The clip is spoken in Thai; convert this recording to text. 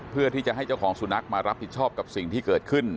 เพื่อที่จะให้เจ้าของสุนัขมารับผิดชอบกับสิ่งที่เกิดขึ้น